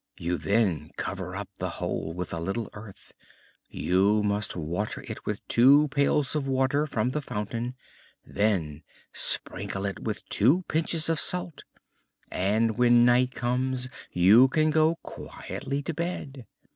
You then cover up the hole with a little earth; you must water it with two pails of water from the fountain, then sprinkle it with two pinches of salt, and when night comes you can go quietly to bed.